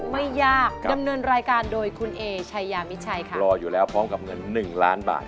ไม่ยากดำเนินรายการโดยคุณเอชายามิชัยค่ะรออยู่แล้วพร้อมกับเงินหนึ่งล้านบาท